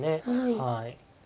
はい。